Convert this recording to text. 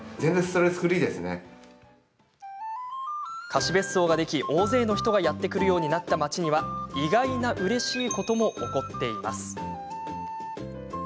貸し別荘ができ、大勢の人がやって来るようになった町には意外なうれしいことも起こっています。